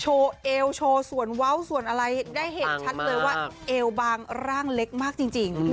เอวโชว์ส่วนเว้าส่วนอะไรได้เห็นชัดเลยว่าเอวบางร่างเล็กมากจริง